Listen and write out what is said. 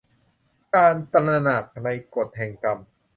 การตระหนักในกฎแห่งกรรม